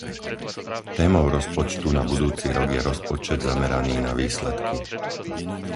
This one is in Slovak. Témou rozpočtu na budúci rok je rozpočet zameraný na výsledky.